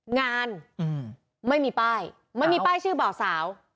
งานไม่มีป้ายไม่มีป้ายชื่อเบาสาว